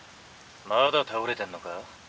まだ倒れてんのか？